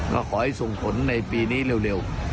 ก็ขอให้ส่งผลในปีนี้เร็ว